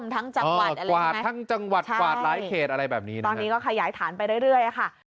ทั้งจังหวัดอะไรใช่ไหมครับใช่ตอนนี้ก็ขยายฐานไปเรื่อยค่ะ